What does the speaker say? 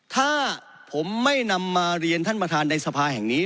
ถ้าผมไม่นำมาเรียนท่านประธานในสภาแห่งนี้